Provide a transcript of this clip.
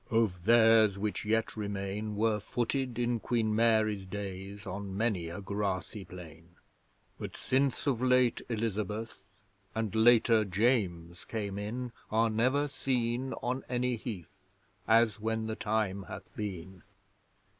'Of theirs which yet remain, Were footed in Queen Mary's days On many a grassy plain, But since of late Elizabeth, And, later, James came in, Are never seen on any heath As when the time hath been.'